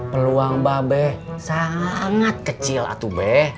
peluang mbak be sangat kecil atu be